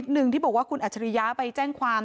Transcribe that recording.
หนึ่งที่บอกว่าคุณอัจฉริยะไปแจ้งความ